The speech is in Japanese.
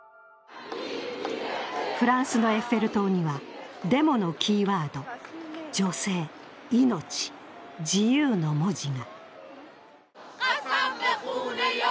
フランスのエッフェル塔にはデモのキーワード、「女性・命・自由」の文字が。